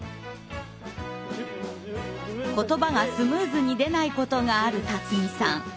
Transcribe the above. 言葉がスムーズに出ないことがある辰己さん。